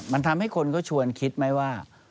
มันทำให้คนก็ชวนคิดไหมว่า